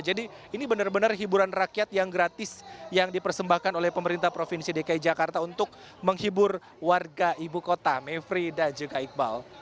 jadi ini benar benar hiburan rakyat yang gratis yang dipersembahkan oleh pemerintah provinsi dki jakarta untuk menghibur warga ibu kota mayfri dan juga iqbal